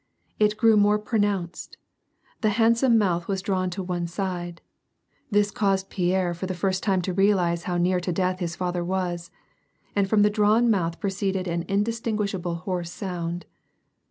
It grew more pronounced; the handsome mouth was drawn to one side (this caused Pierre for the first time to realize how near to death his father was) and from the drawn mouth proceeded an indistinguishable hoarse sound.